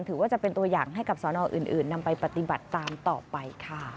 ถือว่าเป็นตัวอย่างให้กับสอนออื่นนำไปปฏิบัติตามต่อไปค่ะ